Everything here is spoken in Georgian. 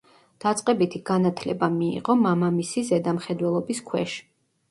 დაწყებითი განათლება მიიღო მამამისი ზედამხედველობის ქვეშ.